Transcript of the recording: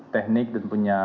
teknik dan punya